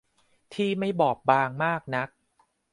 ที่ไม่บอบบางมากนัก